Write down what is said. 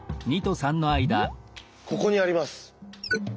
ここにあります。